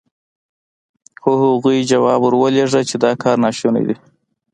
خو هغوی ځواب ور ولېږه چې دا کار ناشونی دی.